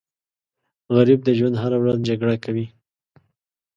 غریب د ژوند هره ورځ جګړه کوي